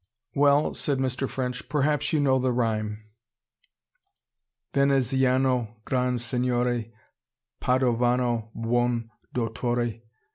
"Well," said Mr. French. "Perhaps you know the rhyme: "'Veneziano gran' Signore Padovano buon' dotore.